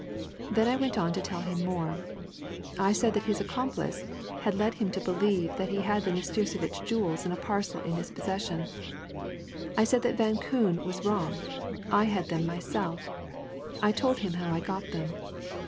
Then I went on to tell him more. I said that his accomplice had led him to believe that he had the Nastirsevitch jewels in a parcel in his possession. I said that Van Koon was wrong I had them myself I told him how I got them.